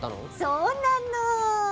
そうなの。